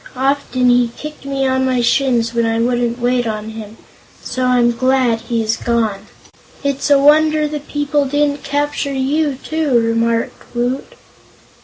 Often he kicked me on my shins, when I wouldn't wait on him. So I'm glad he is gone." "It's a wonder the people didn't capture you, too," remarked Woot.